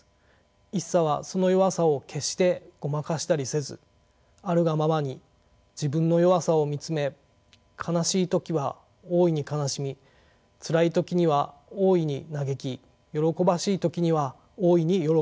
一茶はその弱さを決してごまかしたりせずあるがままに自分の弱さを見つめ悲しい時は大いに悲しみつらい時には大いに嘆き喜ばしい時には大いに喜びました。